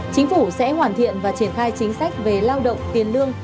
chính phủ sẽ hoàn thiện và triển khai chính sách về lao động tiền lương